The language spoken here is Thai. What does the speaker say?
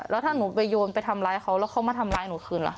แล้วถ้าหนูไปโยนไปทำร้ายเขาแล้วเขามาทำร้ายหนูคืนล่ะ